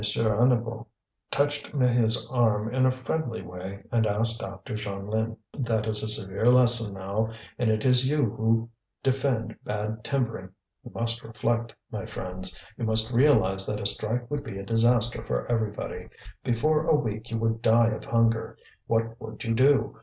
Hennebeau touched Maheu's arm in a friendly way and asked after Jeanlin. "That is a severe lesson now, and it is you who defend bad timbering. You must reflect, my friends; you must realize that a strike would be a disaster for everybody. Before a week you would die of hunger. What would you do?